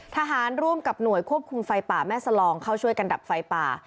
ร่วมกับหน่วยควบคุมไฟป่าแม่สลองเข้าช่วยกันดับไฟป่า